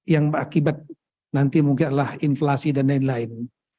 yang akibat nanti mungkin dari inflasi dan lain lain